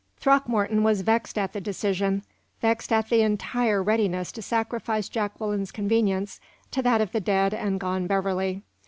Throckmorton was vexed at the decision vexed at the entire readiness to sacrifice Jacqueline's convenience to that of the dead and gone Beverley.